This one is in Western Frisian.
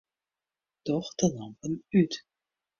Doch de lampen út.